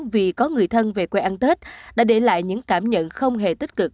vì có người thân về quê ăn tết đã để lại những cảm nhận không hề tích cực